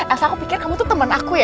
asal aku pikir kamu tuh temen aku ya